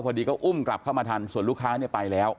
พอดีก็อุ้มกลับเข้ามาทันส่วนลูกค้าเนี่ยไปแล้ว